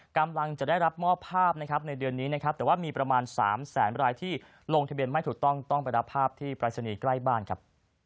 กำลังจะได้รับมอบภาพนะครับในเดือนนี้นะครับแต่ว่ามีประมาณ๓แสนรายที่ลงทะเบียนไม่ถูกต้องต้องไปรับภาพที่ปรายศนีย์ใกล้บ้านครับ